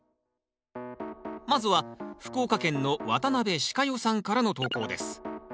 まずは福岡県の渡辺しか代さんからの投稿です。